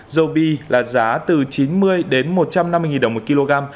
dầu bi là giá từ chín mươi đến một trăm năm mươi đồng một kg